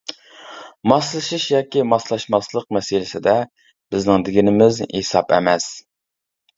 ماسلىشىش ياكى ماسلاشماسلىق مەسىلىسىدە بىزنىڭ دېگىنىمىز ھېساب ئەمەس.